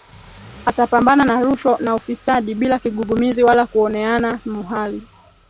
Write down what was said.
Atapambana na rushwa na ufisadi bila kigugumizi wala kuoneana muhali